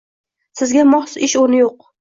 Sizga mos ish o'rni yo'q.